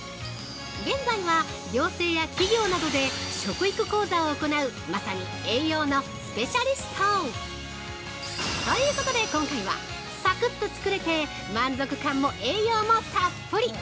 現在は行政や企業などで食育講座を行うまさに栄養のスペシャリスト！ということで、今回はさくっと作れて、満足感も栄養もたっぷり！